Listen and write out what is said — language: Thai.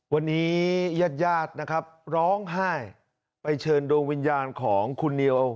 วันนี้ญาติญาตินะครับร้องไห้ไปเชิญดวงวิญญาณของคุณเนียว